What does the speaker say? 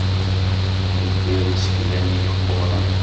Tebbiḍ isekla-nni yeqquren.